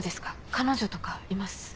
彼女とかいます？